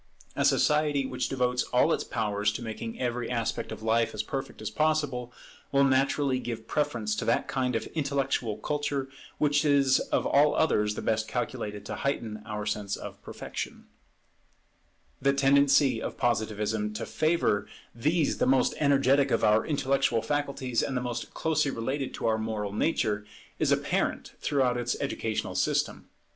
A society which devotes all its powers to making every aspect of life as perfect as possible, will naturally give preference to that kind of intellectual culture which is of all others the best calculated to heighten our sense of perfection. [Predisposing influence of Education] The tendency of Positivism to favour these the most energetic of our intellectual faculties and the most closely related to our moral nature, is apparent throughout its educational system.